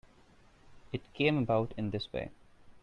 It came about in this way.